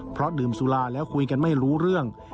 เพราะดื่มสุราแล้วคุยกันไม่รู้เรื่อง